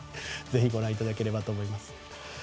ぜひご覧いただければと思います。